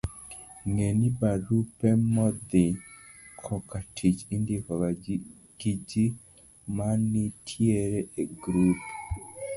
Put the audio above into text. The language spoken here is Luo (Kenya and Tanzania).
Ng'e ni, barupe modhi kokatich indiko gi ji manitiere e grup